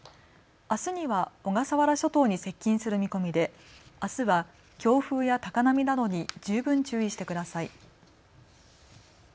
あすには小笠原諸島に接近する見込みで、あすは強風や高波などに十分注意してください。